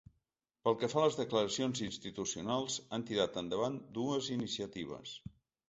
Pel que fa a les declaracions institucionals, han tirat endavant dues iniciatives.